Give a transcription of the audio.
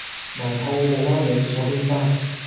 My Avholc reliance was in Bass.